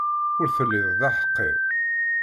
Ur telliḍ d aḥeqqi.